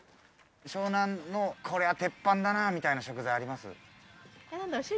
湘南のこれはテッパンだなみたいな食材あります？